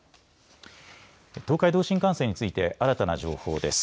東海道新幹線について新たな情報です。